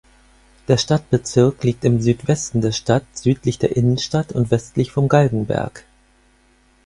Der Stadtbezirk liegt im Südwesten der Stadt südlich der Innenstadt und westlich vom Galgenberg.